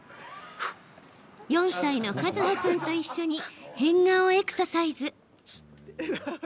４歳の一帆君と一緒に変顔エクササイズ。